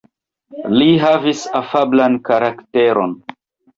Li havis afablan karakteron.